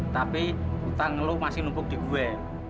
tapi utang ngelu masih numpuk di gue